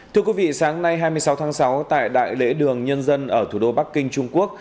thưa quý vị sáng nay hai mươi sáu tháng sáu tại đại lễ đường nhân dân ở thủ đô bắc kinh trung quốc